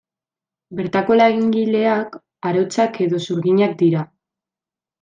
Bertako langileak arotzak edo zurginak dira.